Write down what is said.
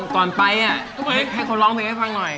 ตอนไปอ่ะให้คนร้องไปให้ฟังหน่อย